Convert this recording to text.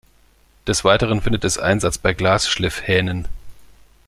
Des Weiteren findet es Einsatz bei Glas-Schliff-Hähnen.